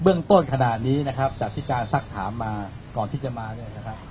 ต้นขนาดนี้นะครับจากที่การซักถามมาก่อนที่จะมาเนี่ยนะครับ